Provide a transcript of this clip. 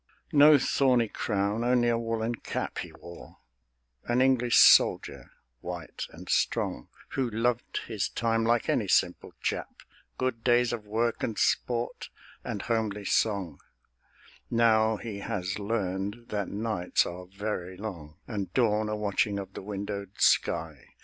No thorny crown, only a woollen cap He wore an English soldier, white and strong, Who loved his time like any simple chap, Good days of work and sport and homely song; Now he has learned that nights are very long, And dawn a watching of the windowed sky.